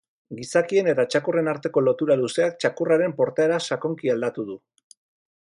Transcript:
Gizakien eta txakurren arteko lotura luzeak txakurraren portaera sakonki aldatu du.